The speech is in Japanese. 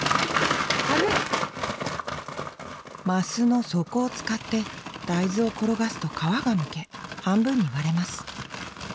升の底を使って大豆を転がすと皮がむけ半分に割れます。